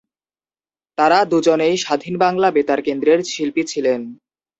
তারা দুজনেই স্বাধীন বাংলা বেতার কেন্দ্রের শিল্পী ছিলেন।